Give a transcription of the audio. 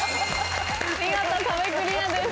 見事壁クリアです。